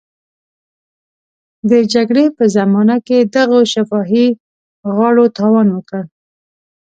د جګړې په زمانه کې دغو شفاهي غاړو تاوان وکړ.